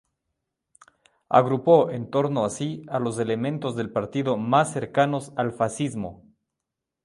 Agrupó en torno a sí a los elementos del partido más cercanos al fascismo.